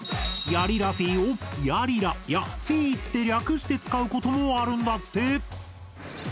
「やりらふぃー」を「やりら」や「ふぃー」って略して使うこともあるんだって！